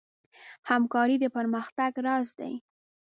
همکاري د پرمختګ راز دی.